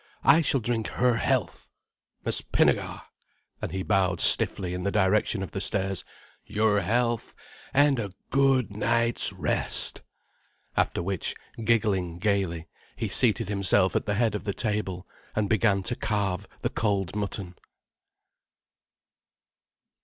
I shall drink her health. Miss Pinnegar—" and he bowed stiffly in the direction of the stairs—"your health, and a good night's rest." After which, giggling gaily, he seated himself at the head of the table and began to carve the cold mutton.